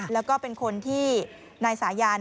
แล้วก็เป็นคนที่นายสายัน